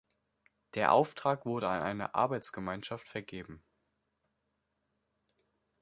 Der Auftrag wurde an eine Arbeitsgemeinschaft vergeben.